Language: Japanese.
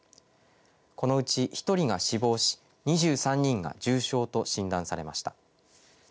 このうち１人が死亡し２３人が重症と診断されました。